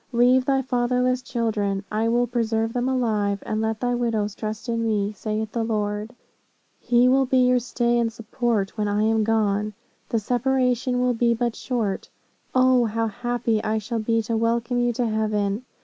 Leave thy fatherless children, I will preserve them alive; and let thy widows trust in me, saith the Lord. He will be your stay and support, when I am gone. The separation will be but short. O, how happy I shall be to welcome you to heaven.'